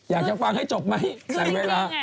อยากจะฟังให้จบไหม